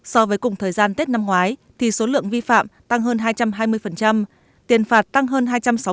so với cùng thời gian tết năm ngoái thì số lượng vi phạm tăng hơn hai trăm hai mươi tiền phạt tăng hơn hai trăm sáu mươi